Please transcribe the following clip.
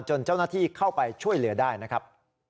จนเจ้านาธิเข้าไปช่วยเรือได้นะครับ